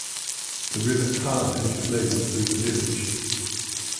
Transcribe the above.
The River Carno flows through the village.